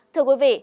thưa quý vị